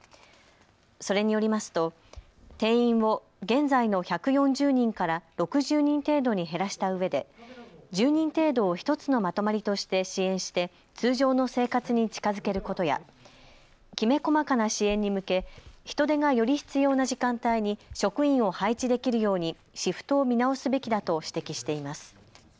それによりますと定員を現在の１４０人から６０人程度に減らしたうえで１０人程度を１つのまとまりとして支援して通常の生活に近づけることやきめ細かな支援に向け人手がより必要な時間帯に職員を配置できるようにシフトを見直すべきだと指摘しています。